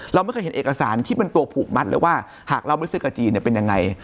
เราไม่เคยเห็นเอกสารที่เป็นตัวผูกมัดเลยว่าหากเรารู้สึกกับจีนเป็นยังไง